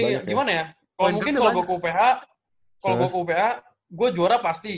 kalau gue ke uph gue juara pasti